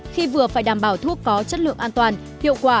khi vừa phải đảm bảo thuốc có chất lượng an toàn hiệu quả